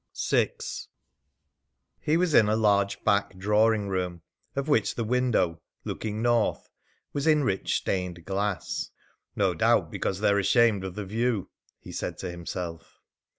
VI. He was in a large back drawing room, of which the window, looking north, was in rich stained glass. "No doubt because they're ashamed of the view," he said to himself.